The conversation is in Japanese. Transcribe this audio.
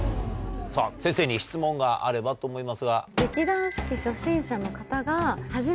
さぁ先生に質問があればと思いますが。